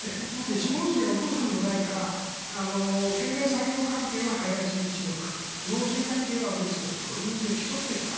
下関はお父さんの代から経済産業関係は林一族農水関係は安倍一族というので競ってきた。